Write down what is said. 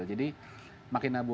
jadi makin abu abu